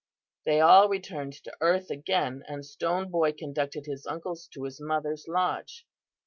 "They all returned to earth again and Stone Boy conducted his uncles to his mother's lodge.